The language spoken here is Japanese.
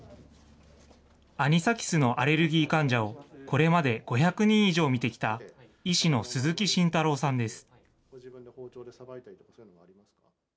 アニサキスのアレルギー患者をこれまで５００人以上診てきた医師の鈴木慎太郎さんです。